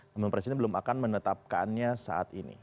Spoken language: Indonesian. namun presiden belum akan menetapkannya saat ini